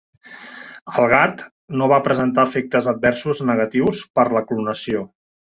El gat no va presentar efectes adversos negatius per la clonació.